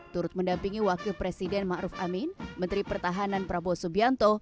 turut mendampingi wakil presiden ma'ruf amin menteri pertahanan prabowo subianto